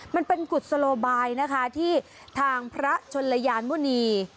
มันเป็นกุศโลบายนะคะที่ทางพระชนยานมุนี